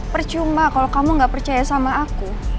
percuma kalau kamu nggak percaya sama aku